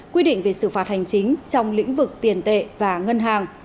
quy định về xử phạt hành chính trong lĩnh vực tiền tệ và ngân hàng